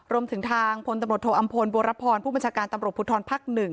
รวมถึงทางพตโถอำพลบรพรผู้บัญชาการตำรวจพภภ๑